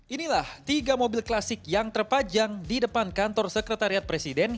inilah tiga mobil klasik yang terpajang di depan kantor sekretariat presiden